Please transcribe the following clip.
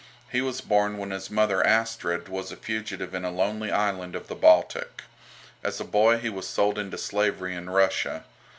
He was born when his mother, Astrid, was a fugitive in a lonely island of the Baltic. As a boy he was sold into slavery in Russia.